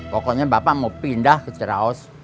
pokoknya bapak mau pindah ke ceraos